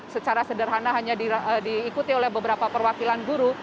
secara sederhana hanya diikuti oleh beberapa perwakilan guru